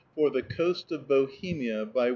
THE COAST OF BOHEMIA By W.